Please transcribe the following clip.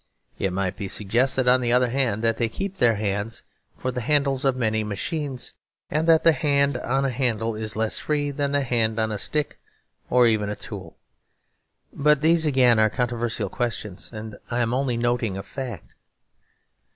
It might be suggested, on the other hand, that they keep their hands for the handles of many machines. And that the hand on a handle is less free than the hand on a stick or even a tool. But these again are controversial questions and I am only noting a fact.